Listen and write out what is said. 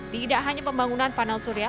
tidak hanya pembangunan panel surya